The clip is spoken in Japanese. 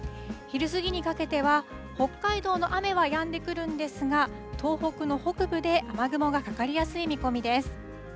昼過ぎにかけては、北海道の雨はやんでくるんですが、東北の北部で雨雲がかかりやすい見込みです。